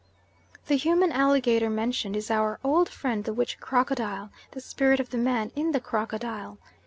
The human alligator mentioned, is our old friend the witch crocodile the spirit of the man in the crocodile.